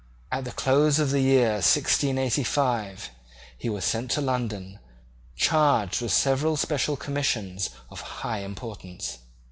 At the close of the year 1685, he was sent to London, charged with several special commissions of high importance.